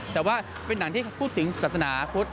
แต่ว่าเป็นหนังที่พูดถึงศาสนาพุทธ